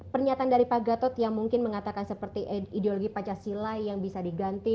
pernyataan dari pak gatot yang mungkin mengatakan seperti ideologi pancasila yang bisa diganti